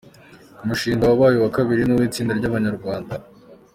Umushinga wabaye uwa kabiri ni uw’itsinda ry’abanyarwanda